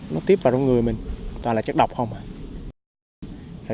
nó tiếp vào đống người mình toàn là chất độc không hả